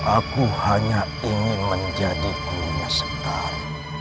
aku hanya ingin menjadi kumnya sekar